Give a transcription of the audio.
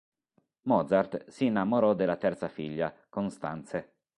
Mozart si innamorò della terza figlia, Constanze.